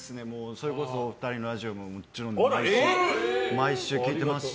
それこそお二人のラジオももちろん毎週聞いてますし。